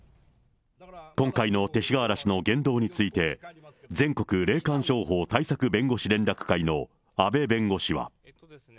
今回の勅使河原氏の言動について、全国霊感商法対策弁護士連絡会の阿部弁護士は。